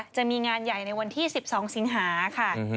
จะมีงานใหญ่ในวันที่๑๒สิงหาค่ะ